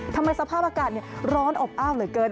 สภาพอากาศร้อนอบอ้าวเหลือเกิน